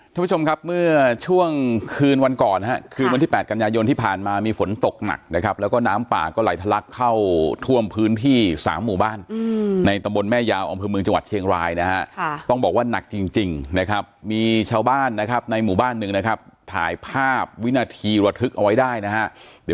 ท่านผู้ชมครับเมื่อช่วงคืนวันก่อนฮะคืนวันที่๘กันยายนที่ผ่านมามีฝนตกหนักนะครับแล้วก็น้ำป่าก็ไหลทะลักเข้าท่วมพื้นที่สามหมู่บ้านในตำบลแม่ยาวอำเภอเมืองจังหวัดเชียงรายนะฮะต้องบอกว่าหนักจริงนะครับมีชาวบ้านนะครับในหมู่บ้านหนึ่งนะครับถ่ายภาพวินาทีระทึกเอาไว้ได้นะฮะ